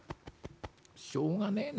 「しょうがねえな。